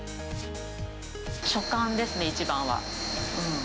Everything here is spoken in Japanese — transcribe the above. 食感ですね、一番は。